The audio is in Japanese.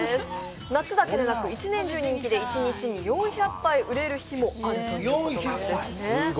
夏だけでなく一年中人気で、一日に４００杯売れる日もあるということです。